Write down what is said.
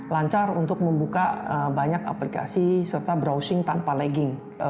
lancar untuk membuka banyak aplikasi serta browsing tanpa lagging